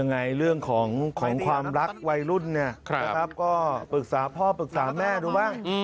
เรื่องของความรักวัยรุ่นก็ปรึกษาพ่อปรึกษาแม่ดูบ้าง